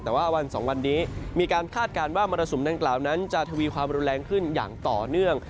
แต่ว่าวันสองวันนี้มีการคาดการณ์ว่ามรสุมดังกล่าวนั้นจะทวีความรุนแรงขึ้นอย่างต่อเนื่อง